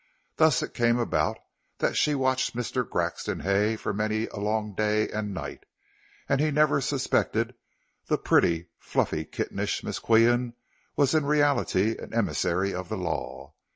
Thus it came about that she watched Mr. Grexon Hay for many a long day and night, and he never suspected the pretty, fluffy, kittenish Miss Qian was in reality an emissary of the law.